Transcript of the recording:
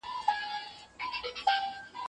هغې خپل ذوق له چا څخه نه دی پټ کړی.